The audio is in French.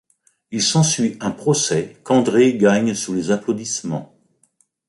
Il s'ensuit un procès qu'André gagne sous les applaudissements.